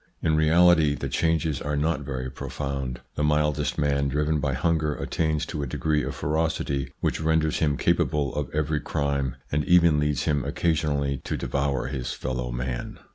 In reality, the changes are not very profound. The mildest man, driven by hunger, attains to a degree of ferocity which renders him capable of every crime, and even leads him occasionally to devour his fellow man.